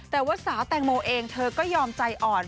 แต่ว่าสาวแตงโมเองเธอก็ยอมใจอ่อน